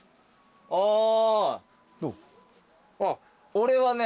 俺はね